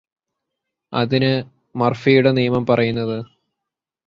അതിന് മര്ഫിയുടെ നിയമം പറയുന്നത്